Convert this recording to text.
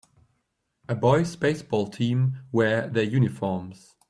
A boys baseball team wear their uniforms.